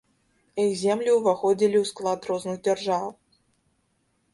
Іх землі ўваходзілі ў склад розных дзяржаў.